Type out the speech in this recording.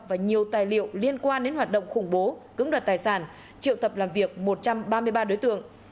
và nhiều tài liệu liên quan đến hoạt động khủng bố cứng đoạt tài sản triệu tập làm việc một trăm ba mươi ba đối tượng